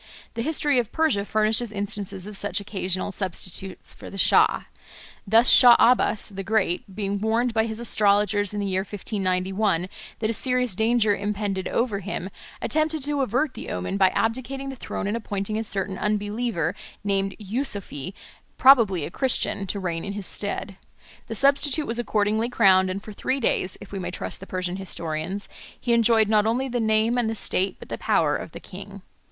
The history of Persia furnishes instances of such occasional substitutes for the Shah. Thus Shah Abbas the Great, being warned by his astrologers in the year 1591 that a serious danger impended over him, attempted to avert the omen by abdicating the throne and appointing a certain unbeliever named Yusoofee, probably a Christian, to reign in his stead. The substitute was accordingly crowned, and for three days, if we may trust the Persian historians, he enjoyed not only the name and the state but the power of the king.